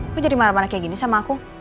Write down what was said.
gue jadi marah marah kayak gini sama aku